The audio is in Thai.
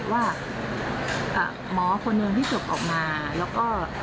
ว่าหมอคนหนึ่งที่ศพออกมาแล้วก็